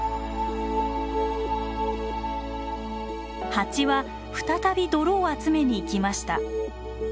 ハチは再び泥を集めに行きました。